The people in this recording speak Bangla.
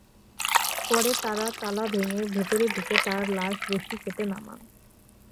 পরে তাঁরা তালা ভেঙে ভেতরে ঢুকে তাঁর লাশ রশি কেটে নামান।